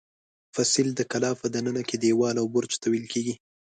فصیل د کلا په دننه کې دېوال او برج ته ویل کېږي.